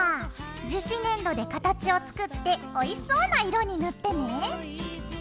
樹脂粘土で形を作っておいしそうな色に塗ってね。